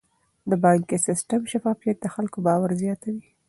د بانکي سیستم شفافیت د خلکو باور زیاتوي.